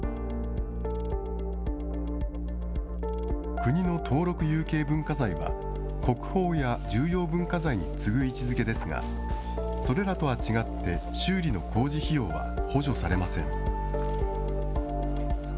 国の登録有形文化財は、国宝や重要文化財に次ぐ位置づけですが、それらとは違って修理の工事費用は補助されません。